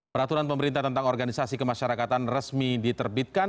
peraturan pemerintah tentang organisasi kemasyarakatan resmi diterbitkan